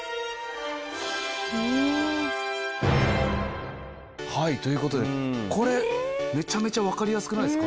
ふーん！という事でこれめちゃめちゃわかりやすくないですか？